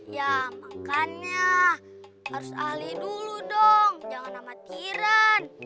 ya makannya harus ahli dulu dong jangan amat kiran